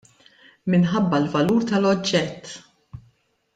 Minħabba l-valur tal-oġġett.